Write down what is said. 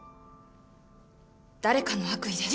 誰かの悪意で。